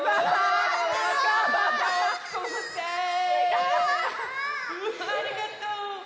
ありがとう。